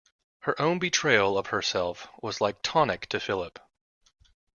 Her own betrayal of herself was like tonic to Philip.